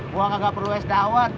gue gak perlu es dawet